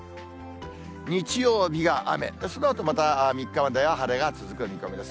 日曜日が雨、そのあとまた３日まで晴れが続く見込みです。